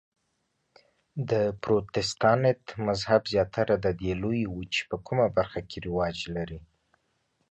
د پروتستانت مذهب زیاتره د دې لویې وچې په کومه برخه کې رواج لري؟